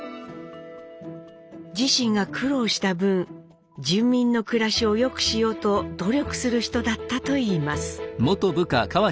自身が苦労した分住民の暮らしを良くしようと努力する人だったといいます。